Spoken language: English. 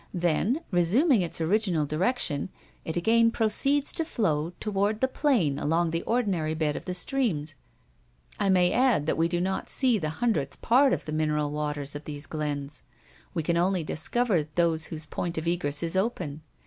Then, resuming its original direction, it again proceeds to flow toward the plain along the ordinary bed of the streams. I may add that we do not see the hundredth part of the mineral waters of these glens. We can only discover those whose point of egress is open.